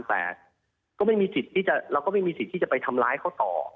แต่เราก็ไม่มีสิทธิ์ที่จะไปทำร้ายเขาต่อ